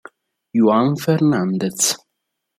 Juan Fernández